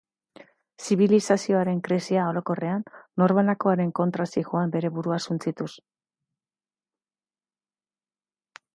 Zibilizazioaren krisia orokorrean, norbanakoaren kontra zihoan bere burua suntsituz.